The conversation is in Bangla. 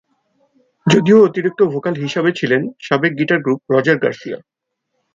যদিও অতিরিক্ত ভোকাল হিসাবে ছিলেন সাবেক গিটার গ্রুপ রজার গার্সিয়া।